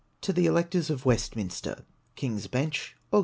TO THE ELECTORS OF WESTMINSTER. King's Beuch, Aug.